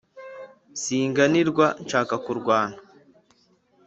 singanirwa nshaka kurwana